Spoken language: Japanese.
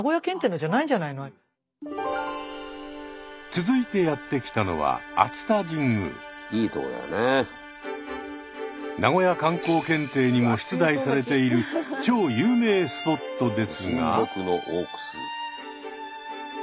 続いてやって来たのは名古屋観光検定にも出題されている超有名スポットですが。